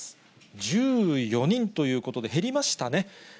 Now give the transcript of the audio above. １４人ということで、減りましたね。